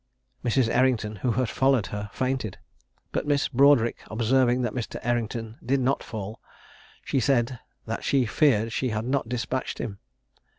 Mrs. Errington, who had followed her, fainted, but Miss Broadric observing that Mr. Errington did not fall, she said that she feared she had not despatched him.